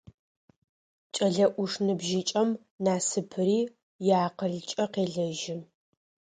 Кӏэлэ ӏуш ныбжьыкӏэм насыпыри иакъылкӏэ къелэжьы.